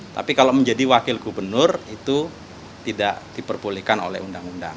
tapi kalau menjadi wakil gubernur itu tidak diperbolehkan oleh undang undang